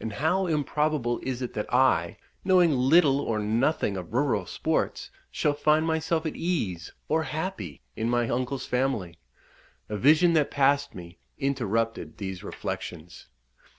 and how improbable is it that I, knowing little or nothing of rural sports, shall find myself at ease, or happy, in my uncle's family. A vision that passed me interrupted these reflections.